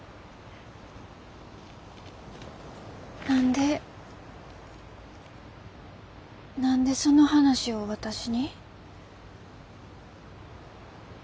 何で何でその話を私に？